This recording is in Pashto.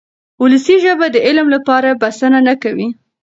ولسي ژبه د علم لپاره بسنه نه کوي.